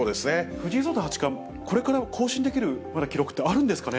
藤井聡太八冠、これから更新できる記録って、まだ記録ってあるんですかね。